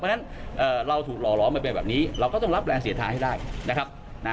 เพราะฉะนั้นเราถูกหล่อล้อมไปเป็นแบบนี้เราก็ต้องรับแรงเสียท้าให้ได้นะครับ